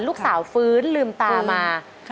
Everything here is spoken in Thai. ลูกสาวฟื้นลืมตามา